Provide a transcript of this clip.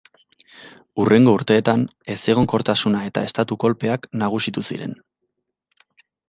Hurrengo urteetan, ezegonkortasuna eta estatu-kolpeak nagusitu ziren.